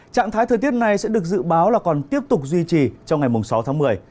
trạng thái thời tiết này sẽ được dự báo là còn tiếp tục duy trì trong ngày sáu tháng một mươi